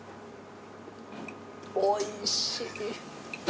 おいしい。